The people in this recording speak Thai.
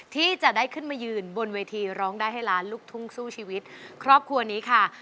ที่จะได้ขึ้นมายืนบนเวทีร้องได้ให้ล้านลูกทุ่งสู้ชีวิตครอบครัวนี้ค่ะ